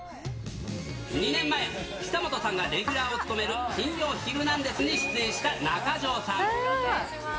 ２年前、久本さんがレギュラーを務める、金曜ヒルナンデス！に出演した中条さん。